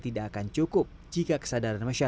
digunakan secara secara prototip